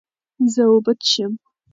زه اوبه څښم.